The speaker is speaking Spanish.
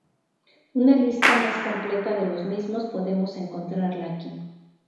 Una lista más completa de los mismos podemos encontrarla aquí.